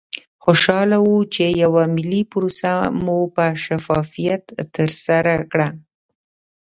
خوشحاله وو چې یوه ملي پروسه مو په شفافیت ترسره کړه.